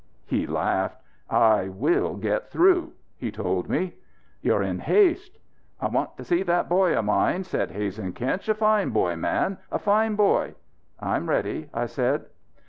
He laughed. "I will get through," he told me. "You're in haste." "I want to see that boy of mine," said Hazen Kinch. "A fine boy, man! A fine boy!" "I'm ready," I said.